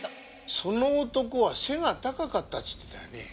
その男は背が高かったっつってたよね。